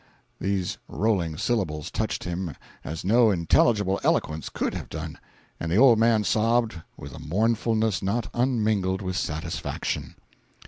These rolling syllables touched him as no intelligible eloquence could have done, and the old man sobbed with a mournfulness not unmingled with satisfaction.